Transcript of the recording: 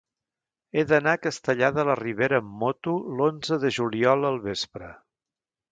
He d'anar a Castellar de la Ribera amb moto l'onze de juliol al vespre.